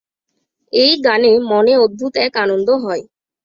এই গানে মনে অদ্ভুত এক আনন্দ হয়।